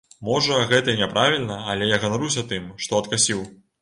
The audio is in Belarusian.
Можа, гэта і няправільна, але я ганаруся тым, што адкасіў.